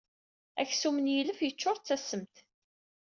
Aksum n yilef yeččuṛ d tassemt.